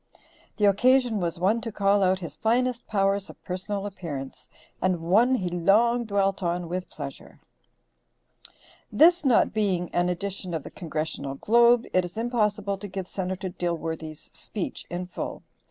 The occasion was one to call out his finest powers of personal appearance, and one he long dwelt on with pleasure. This not being an edition of the Congressional Globe it is impossible to give Senator Dilworthy's speech in full.